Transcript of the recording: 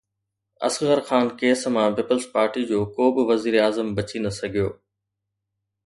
Asghar Khan case مان پيپلز پارٽي جو ڪو به وزيراعظم بچي نه سگهيو.